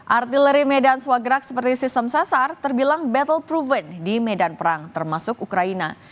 artileri medan swagrak seperti sistem sasar terbilang battle proven di medan perang termasuk ukraina